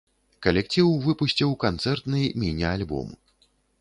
Калектыў выпусціў канцэртны міні-альбом.